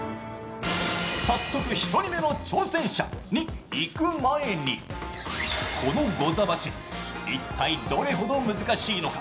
早速、１人目の挑戦者にいくまえにこのゴザ走り、一体どれほど難しいのか。